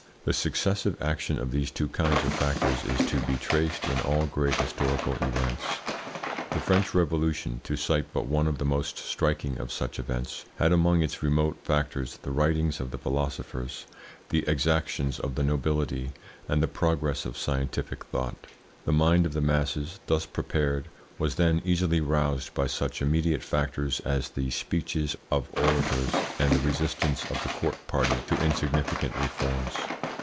The successive action of these two kinds of factors is to be traced in all great historical events. The French Revolution to cite but one of the most striking of such events had among its remote factors the writings of the philosophers, the exactions of the nobility, and the progress of scientific thought. The mind of the masses, thus prepared, was then easily roused by such immediate factors as the speeches of orators, and the resistance of the court party to insignificant reforms.